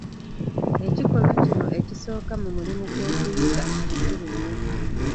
Ekikolwa kino ekisooka mu mulimu gw'okuyiga kikulu nnyo.